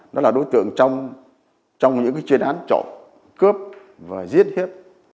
nó là đối tượng trong những cái chuyên án chọn cướp và giết hiếp